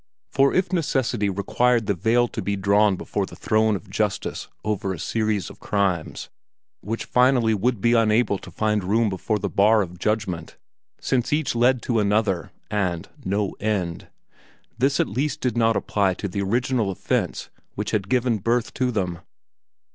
For if necessity required that the veil be drawn before the throne of justice over a series of crimes, which finally would be unable to find room before the bar of judgment, since each led to another, and no end this at least did not apply to the original offense which had given birth to them.